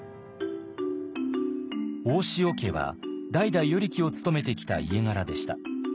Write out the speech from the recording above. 大塩家は代々与力を務めてきた家柄でした。